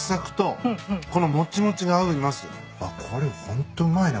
あっこれホントうまいね。